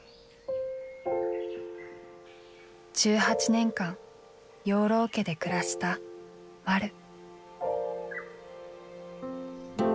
１８年間養老家で暮らした「まる」。